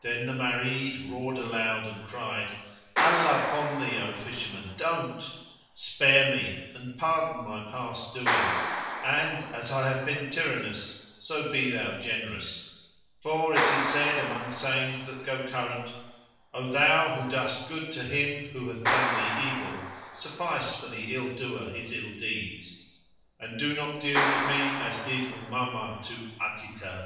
Then the Marid roared aloud and cried, "Allah upon thee, O Fisherman, don't! Spare me, and pardon my past doings; and, as I have been tyrannous, so be thou generous, for it is said among sayings that go current:—O thou who doest good to him who hath done thee evil, suffice for the ill doer his ill deeds, and do not deal with me as did Umamah to 'Atikah."